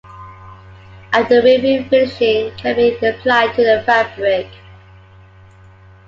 After weaving, finishing can be applied to the fabric.